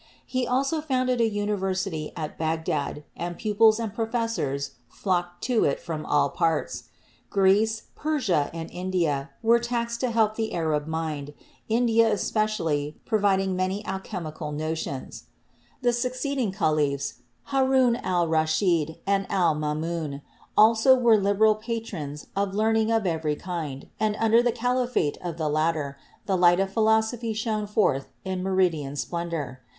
He also founded a university at Bagdad, and pupils and professors flocked to it from all parts. Greece, Persia and India were taxed to help the Arab mind, India especially providing many alchemical notions. The succeeding caliphs, Harun al Raschid and Al Mamun, also were liberal patrons of learning of every kind, and under the caliphate of the latter the light of philosophy shone forth in meridian splendor.